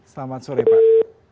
selamat sore pak